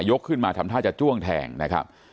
ขึ้นมาทำท่าจะจ้วงแทงนะครับ